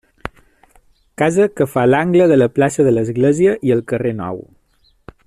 Casa que fa l'angle de la plaça de l'església i el carrer Nou.